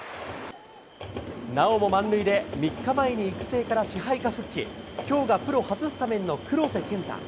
なおも満塁で３日前に育成から支配下復帰、きょうがプロ初スタメンの黒瀬健太。